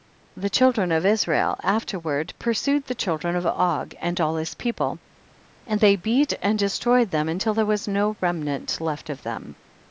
28. The children of Israel after ward pursued the children of Og and all his people, and they beat and de stroyed them till there was no rem nant left of them.